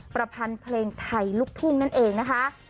ประพันธ์เพลงไทยลูกทุ่งนั่นเองนะคะ